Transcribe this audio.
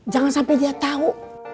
jangan sampai dia tahu